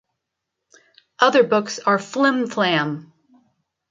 Other books are Flim-Flam!